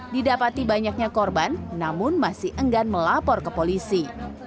didapati banyaknya korban namun masih enggan melapor ke polisi